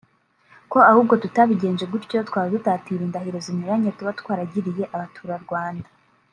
ko ahubwo tutabigenje gutyo twaba dutatira indahiro zinyuranye tuba twaragiriye abaturarwanda